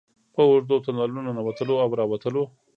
په اوږدو تونلونو ننوتلو او راوتلو.